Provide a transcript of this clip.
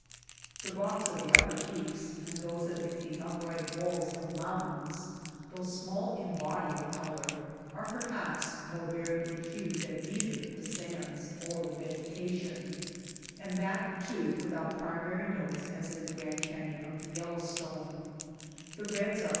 The rocks of the upper peaks and those that make the upright walls of mountains, though small in body of color, are perhaps more varied in hue than either the sands or the vegetation, and that, too, without primary notes as in the Color of aandt. Sands in mirage.